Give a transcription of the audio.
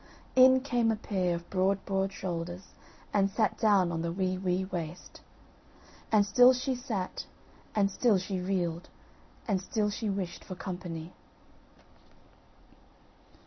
In came a pair of broad broad shoulders, and sat down on the wee wee waist; And still she sat, and still she reeled, and still she wished for company.